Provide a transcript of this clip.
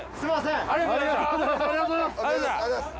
ありがとうございます。